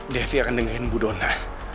devi akan dengerin bu donna